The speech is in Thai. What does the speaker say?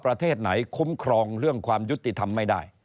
ประเทศไหนคุ้มครองเรื่องความยุติธรรมไม่ได้